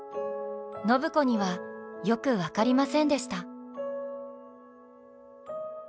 暢子にはよく分かりませんでした。